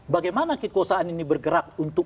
bagaimana kekuasaan ini bergerak untuk